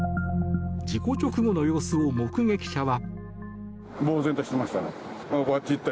事故直後の様子を目撃者は。